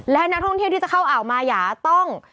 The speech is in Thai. และนักท่องเที่ยวที่จะเข้าอ่าวมายาต้อง